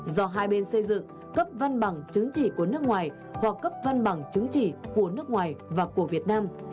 do hai bên xây dựng cấp văn bằng chứng chỉ của nước ngoài hoặc cấp văn bằng chứng chỉ của nước ngoài và của việt nam